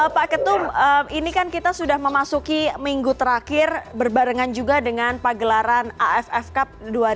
pak ketum ini kan kita sudah memasuki minggu terakhir berbarengan juga dengan pagelaran aff cup dua ribu dua puluh